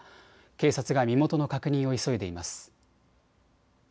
警察が身元の確認を急いでいます。